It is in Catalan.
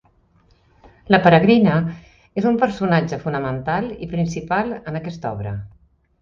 La Peregrina és un personatge fonamental i principal en aquesta obra.